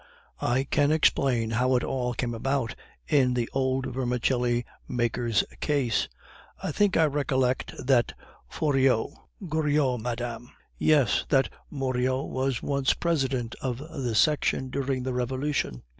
I can explain how it all came about in the old vermicelli maker's case. I think I recollect that Foriot " "Goriot, madame." "Yes, that Moriot was once President of his Section during the Revolution.